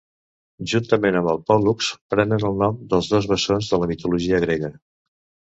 Juntament amb el Pòl·lux, prenen el nom dels dos bessons de la mitologia grega.